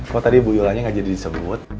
kok tadi bu yulanya gak jadi disebut